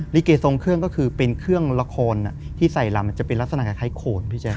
ลิเกทรงเครื่องก็คือเป็นเครื่องละครที่ใส่ลำมันจะเป็นลักษณะคล้ายโขนพี่แจ๊